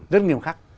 rất nghiêm khắc